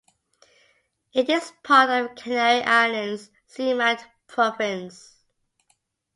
It is part of the Canary Islands Seamount Province.